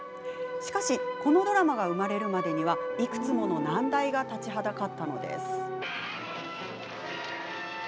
しかしこのドラマが生まれるまでにはいくつもの難題が立ちはだかったのです。